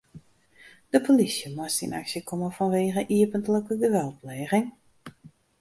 De polysje moast yn aksje komme fanwegen iepentlike geweldpleging.